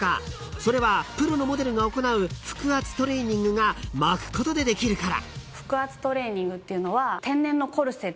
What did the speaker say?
［それはプロのモデルが行う腹圧トレーニングが巻くことでできるから］